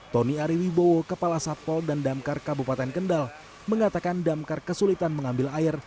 tony ariwibowo kepala satpol dan damkar kabupaten kendal mengatakan damkar kesulitan mengambil air